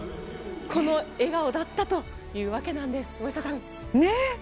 この笑顔だったというわけなんです、大下さん。